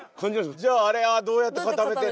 じゃああれはどうやって固めてんの？